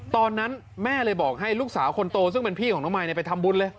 ตอนนั้นแม่เลยบอกให้ลูกสาวคนโตซึ่งเป็นพี่ของน้องมายไปทำบุญเลย